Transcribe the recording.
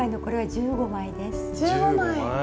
１５枚！